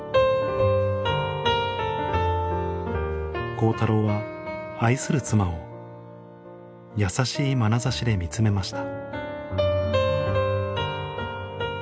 光太郎は愛する妻を優しいまなざしで見つめました